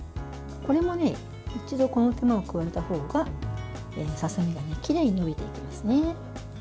これも一度この手間を加えたほうがささ身がきれいにのびていきますね。